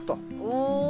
お。